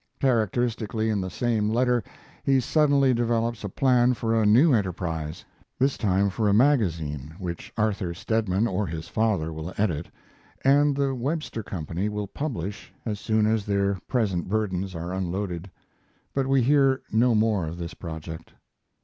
Characteristically, in the same letter, he suddenly develops a plan for a new enterprise this time for a magazine which Arthur Stedman or his father will edit, and the Webster company will publish as soon as their present burdens are unloaded. But we hear no more of this project.